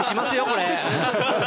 これ。